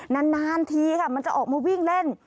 นานทีค่ะมันจะออกมาวิ่งเล่น